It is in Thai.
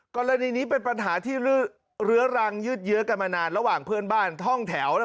กรณีนี้เป็นปัญหาที่เรื้อรังยืดเยอะกันมานานระหว่างเพื่อนบ้านห้องแถว